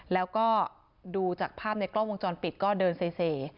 แล้วก็ดูจากภาพในกล้องวงจรปิดก็เดินเซ